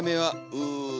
うん。